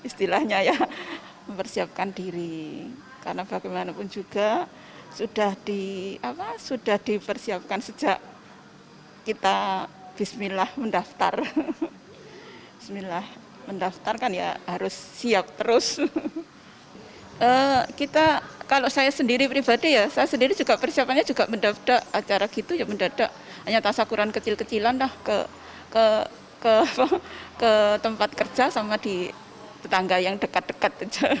saya sendiri juga persiapannya mendadak acara gitu hanya tasa kurang kecil kecilan lah ke tempat kerja sama di tetangga yang dekat dekat